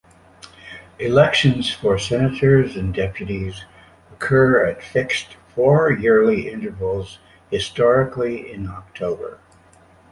Elections for Senators and Deputies occur at fixed four-yearly intervals, historically in October.